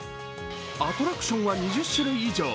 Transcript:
アトラクションは２０種類以上。